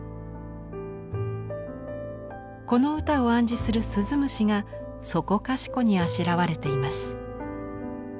この歌を暗示する鈴虫がそこかしこにあしらわれています。